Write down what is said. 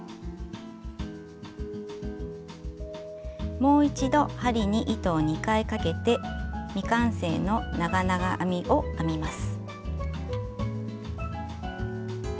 もう一度針に糸を２回かけて未完成の長々編みを編みます。